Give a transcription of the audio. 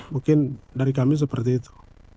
mungkin dari kami seperti itu